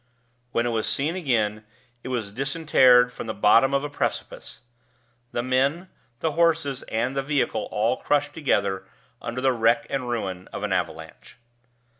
When it was seen again, it was disinterred from the bottom of a precipice the men, the horses, and the vehicle all crushed together under the wreck and ruin of an avalanche.